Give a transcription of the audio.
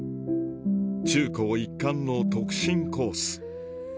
中高一貫の特進コース